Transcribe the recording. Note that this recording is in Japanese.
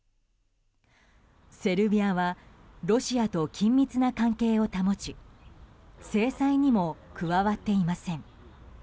セルビアはロシアと緊密な関係を保ち制裁にも加わっていません。